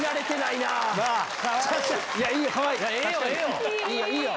いやいいよ！